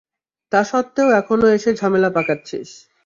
তা সত্ত্বেও এখনও এসে ঝামেলা পাকাচ্ছিস।